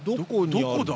どこだ？